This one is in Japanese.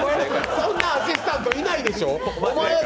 そんなアシスタントいないでしょ！